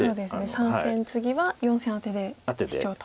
３線ツギは４線アテでシチョウと。